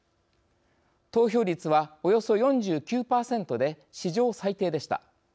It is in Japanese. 投票率は、およそ４９％で史上最低でした。